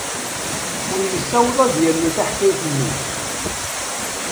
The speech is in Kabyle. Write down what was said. Ur yessaweḍ ad yamen taḥkayt-nni.